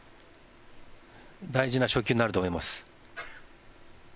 大事な初球になると思います。